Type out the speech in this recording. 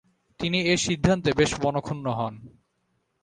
তিনি এ সিদ্ধান্তে বেশ মনঃক্ষুণ্ণ হন।